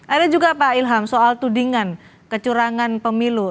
ada juga pak ilham soal tudingan kecurangan pemilu